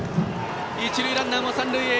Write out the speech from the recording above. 一塁ランナーも三塁へ。